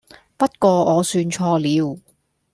不過我算錯了